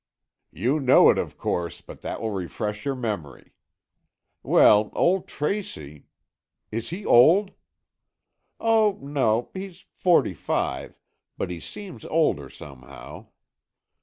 "You know it, of course, but that will refresh your memory. Well, old Tracy——" "Is he old?" "Oh, no, he's forty five, but he seems older, somehow.